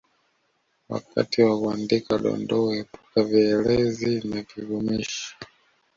Wakati wa kuandika Dondoo epuka vielezi na vivumishi